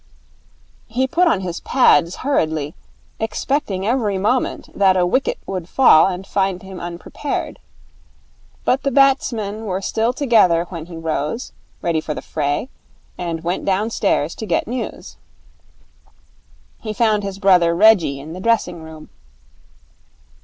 He put on his pads hurriedly, expecting every moment that a wicket would fall and find him unprepared. But the batsmen were still together when he rose, ready for the fray, and went downstairs to get news. He found his brother Reggie in the dressing room.